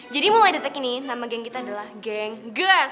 jadi mulai dari sekarang nama geng kita adalah geng girls